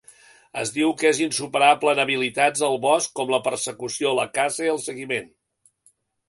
Es diu que és insuperable en habilitats al bosc com la persecució, la caça i el seguiment.